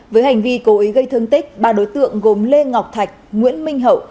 với hành vi cố ý gây thương tích ba đối tượng gồm lê ngọc thạch nguyễn minh hậu